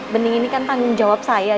bening ini kan tanggung jawab saya